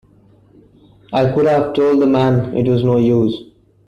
I could have told the man it was no use.